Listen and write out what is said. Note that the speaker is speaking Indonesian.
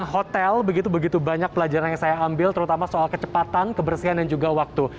hotel begitu begitu banyak pelajaran yang saya ambil terutama soal kecepatan kebersihan dan juga waktu